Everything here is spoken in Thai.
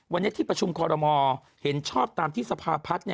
วันนี้ที่ประชุมคอรมอเห็นชอบตามที่สภาพัฒน์